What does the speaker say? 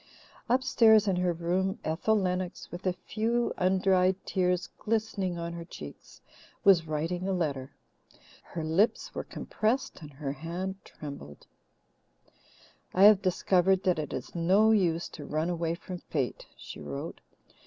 Upstairs in her room, Ethel Lennox, with a few undried tears glistening on her cheeks, was writing a letter. Her lips were compressed and her hand trembled: "I have discovered that it is no use to run away from fate," she wrote.